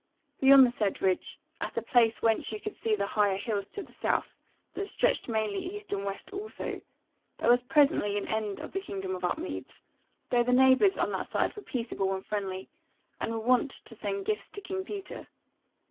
Beyond the said ridge, at a place whence you could see the higher hills to the south, that stretched mainly east and west also, there was presently an end of the Kingdom of Upmeads, though the neighbours on that side were peaceable and friendly, and were wont to send gifts to King Peter.